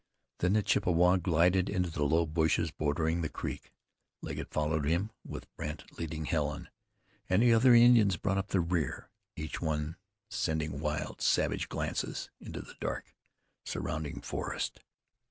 Then the Chippewa glided into the low bushes bordering the creek. Legget followed him, with Brandt leading Helen, and the other Indians brought up the rear, each one sending wild, savage glances into the dark, surrounding forest.